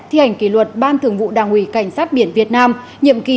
thi hành kỷ luật ban thường vụ đảng ủy cảnh sát biển việt nam